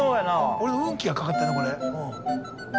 オレの運気がかかってるのこれ。